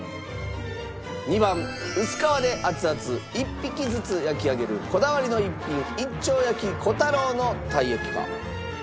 ２番薄皮で熱々１匹ずつ焼き上げるこだわりの一品一丁焼きこたろうのたい焼きか？